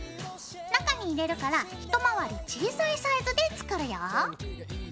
中に入れるから一回り小さいサイズで作るよ。